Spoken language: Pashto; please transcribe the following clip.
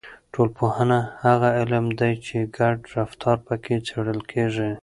ټولنپوهنه هغه علم دی چې ګډ رفتار پکې څېړل کیږي.